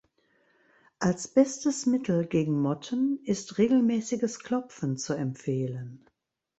Als bestes Mittel gegen Motten ist regelmäßiges Klopfen zu empfehlen.